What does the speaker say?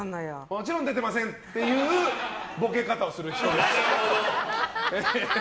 もちろん出てませんっていうボケ方をする人です。